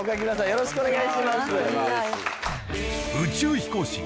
よろしくお願いします。